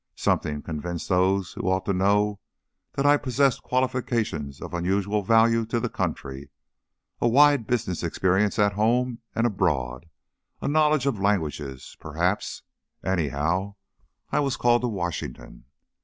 Something convinced those who ought to know that I possessed qualifications of unusual value to the country a wide business experience at home and abroad, a knowledge of languages perhaps anyhow, I was called to Washington.